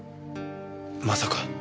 まさか。